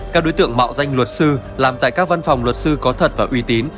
các đối tượng mạo danh luật sư làm tại các văn phòng luật sư có thật và uy tín